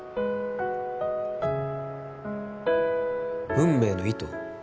運命の糸？